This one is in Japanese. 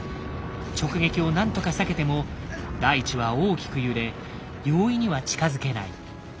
直撃を何とか避けても大地は大きく揺れ容易には近づけない。